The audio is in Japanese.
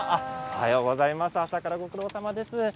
朝からご苦労さまです。